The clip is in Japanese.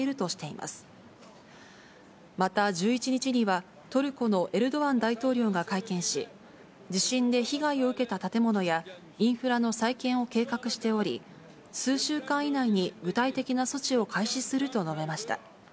また１１日には、トルコのエルドアン大統領が会見し、地震で被害を受けた建物やインフラの再建を計画しており、数週間以内に具体的な措置を開始すると述べました。